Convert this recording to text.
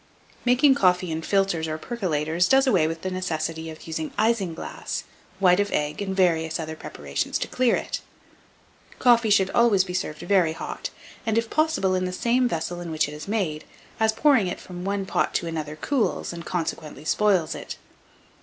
Making coffee in filters or percolaters does away with the necessity of using isinglass, white of egg, and various other preparations to clear it. Coffee should always be served very hot, and, if possible, in the same vessel in which it is made, as pouring it from one pot to another cools, and consequently spoils it.